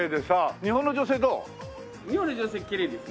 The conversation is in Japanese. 日本の女性きれいですね。